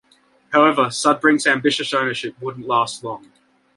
However, Sudbrink's ambitious ownership wouldn't last long.